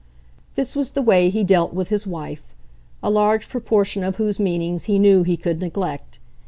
This was the way he dealt with his wife, a large proportion of whose meanings he knew he could neglect.